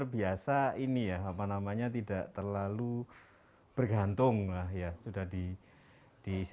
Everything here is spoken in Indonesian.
bisiknya akan memiliki hak yang cukup bagi kita